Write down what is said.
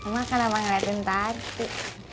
mak kalau mau ngeliatin tadi